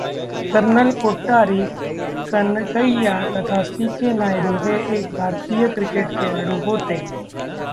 Colonel Kottari Kanakaiya तथा C. K. Naidu हे एक भारतीय क्रिकेट खेळाडू होते.